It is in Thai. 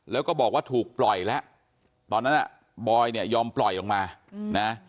แล้วก็บอกว่าถูกปล่อยแล้วตอนนั้นบอยยอมปล่อยออกมา